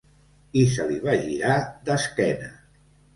I se li va girar d'esquena.